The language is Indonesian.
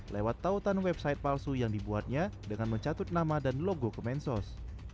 lewat tautan website palsu yang dibuatnya dengan mencatut nama dan logo kemensos